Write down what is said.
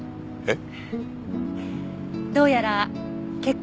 えっ？